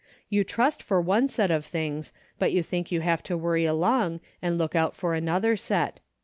You trust for one set of things, but you think you have to worry along and look out for another set.